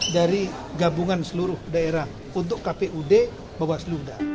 dari gabungan seluruh daerah untuk kpud bawa seluruh daerah